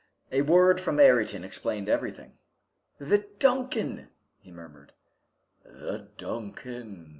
A word from Ayrton explained everything. "The 'Duncan'!" he murmured. "The 'Duncan'!"